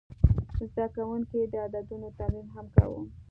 زده کوونکي د عددونو تمرین هم کاوه.